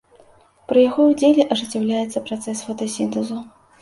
Пры яго ўдзеле ажыццяўляецца працэс фотасінтэзу.